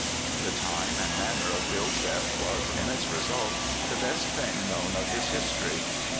The time and manner of Bill's death was, in its result, the best thing known of his history.